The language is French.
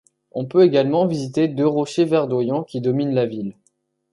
On peut également visiter deux rochers verdoyant qui dominent la ville.